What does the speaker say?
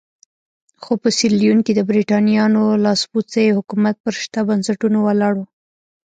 خو په سیریلیون کې د برېټانویانو لاسپوڅی حکومت پر شته بنسټونو ولاړ وو.